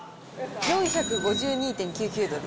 ４５２．９９ドル。